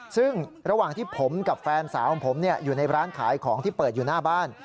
ซึ่งระหว่างที่ผมกับแฟนสาวของผมอยู่ในร้านขายของที่เปิดอยู่หน้าบ้าน